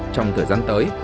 trong thời gian tới